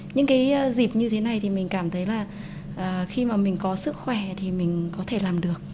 những cái dịp như thế này thì mình cảm thấy là khi mà mình có sức khỏe thì mình có thể làm được